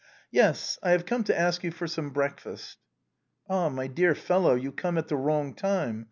" Yes ; I have come to ask you for some breakfast." "Ah, my dear fellow, you come at the wrong time.